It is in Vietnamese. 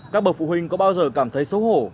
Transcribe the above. các bậc phụ huynh có bao giờ cảm thấy xấu hổ